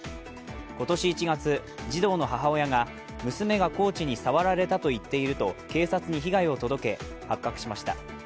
今年１月に児童の母親が娘がコーチに触られたと言っていると警察に被害を届け発覚しました。